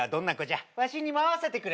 わしにも会わせてくれ。